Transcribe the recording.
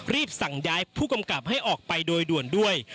สั่งย้ายผู้กำกับให้ออกไปโดยด่วนด้วย